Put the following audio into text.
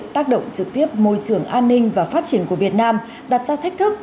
trực tiếp môi trường an ninh và phát triển của việt nam đặt ra thách thức